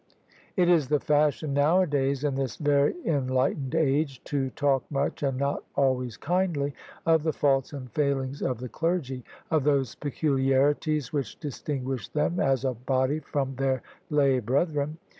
It is the fashion nowadays, in this very enlightened age, to talk much and not always kindly of the faults and failings of the clergy — of those peculiarities which distinguish them as a body from their lay brethren.